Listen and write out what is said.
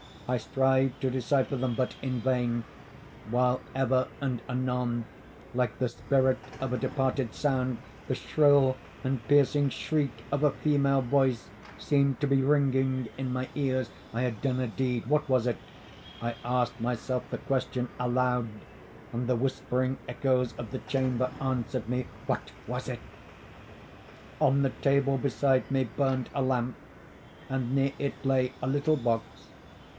I strived to decypher them, but in vain; while ever and anon, like the spirit of a departed sound, the shrill and piercing shriek of a female voice seemed to be ringing in my ears. I had done a deed—what was it? I asked myself the question aloud, and the whispering echoes of the chamber answered me,—"What was it?" On the table beside me burned a lamp, and near it lay a little box.